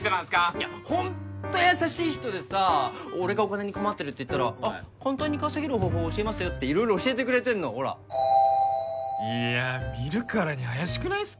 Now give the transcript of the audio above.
いやホント優しい人でさ俺がお金に困ってるって言ったら簡単に稼げる方法教えますよって言って色々教えてくれてんのほらいや見るからに怪しくないっすか？